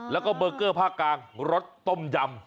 แล้วก็เบอร์เกอร์ภาคกลางรสต้มยำ